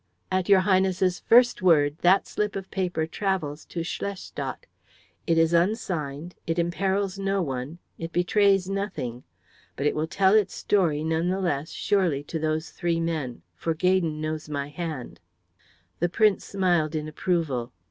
"At your Highness's first word that slip of paper travels to Schlestadt. It is unsigned, it imperils no one, it betrays nothing. But it will tell its story none the less surely to those three men, for Gaydon knows my hand." The Prince smiled in approval.